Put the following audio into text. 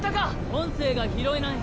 音声が拾えない。